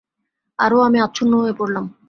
আরো আমি আচ্ছন্ন হয়ে পড়লাম।